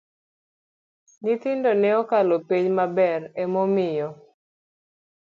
Nyithindo ne okalo penj maber emomiyo